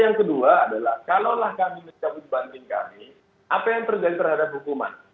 yang kedua adalah kalaulah kami mencabut banding kami apa yang terjadi terhadap hukuman